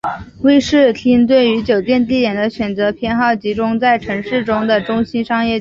威士汀对于酒店地点的选择偏好集中在城市中的中心商业区。